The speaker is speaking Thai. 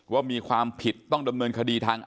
ว่ามีความผิดต้องดำเนินคดีทาง